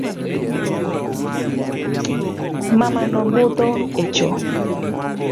Mamano budho echo